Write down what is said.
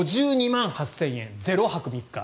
５２万８０００円、０泊３日。